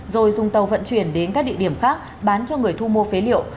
rồi dùng tàu vận chuyển đến các địa điểm khác bán cho người thu mua phế liệu